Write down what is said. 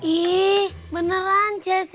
ih beneran jessy